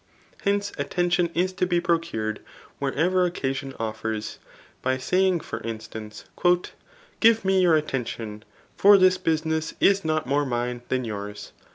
Hence, attention is to be procured wherever occasion off<*s i [by saying, for instance] Give me your atten tion ; for this business is not more mine than yours.''